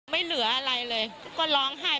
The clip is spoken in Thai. ไม่เหลืออะไรเลยก็ร้องไห้